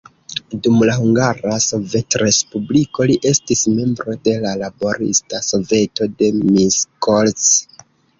Dum la Hungara Sovetrespubliko, li estis membro de la laborista soveto de Miskolc.